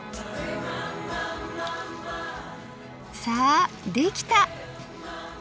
さあできた！